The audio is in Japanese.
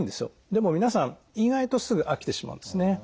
でも皆さん意外とすぐ飽きてしまうんですね。